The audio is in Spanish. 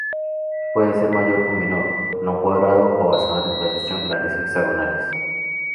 Puede ser mayor o menor, no cuadrado o basado en espacios triangulares hexagonales.